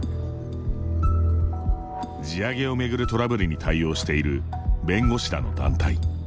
地上げを巡るトラブルに対応している弁護士らの団体。